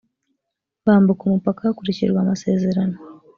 bambuka umupaka hakurikijwe amasezerano.